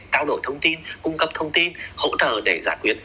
trao đổi thông tin cung cấp thông tin hỗ trợ để giải quyết